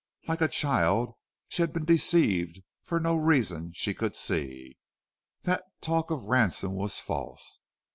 Like a child she had been deceived, for no reason she could see. That talk of ransom was false.